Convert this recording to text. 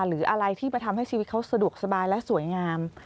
หรืออะไรที่ไปทำให้ชีวิตเขาสะดวกสบายและสวยงาม